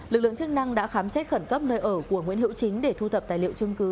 lực lượng chức năng đã khám xét khẩn cấp nơi ở của nguyễn hữu chính để thu thập tài liệu chứng cứ